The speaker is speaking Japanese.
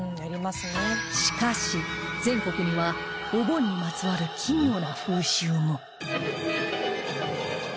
しかし全国にはお盆にまつわる奇妙な風習も